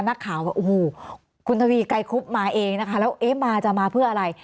นักข่าวว่าโอ้โหคุณทวีไกรคุบมาเองนะคะแล้วเอ๊ะมาจะมาเพื่ออะไร